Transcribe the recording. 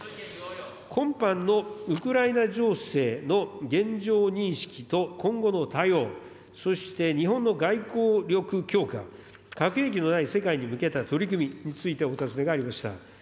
今般のウクライナ情勢の現状認識と今後の対応、そして日本の外交力強化、核兵器のない世界に向けた取り組みについてお尋ねがありました。